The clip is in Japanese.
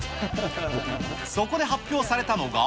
そこで発表されたのが。